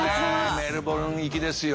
メルボルン行きですよ。